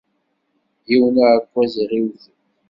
Yiwen uεekkaz i ɣ-iwten.